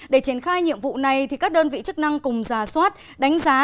để triển khai nhiệm vụ này các đơn vị chức năng cùng giả soát đánh giá